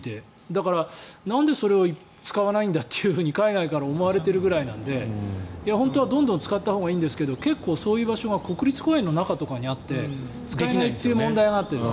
だからなんでそれを使わないのかって海外から思われているぐらいなので本当はどんどん使ったほうがいいんですけど結構そういう場所が国立公園の中とかにあって使えないという問題があって。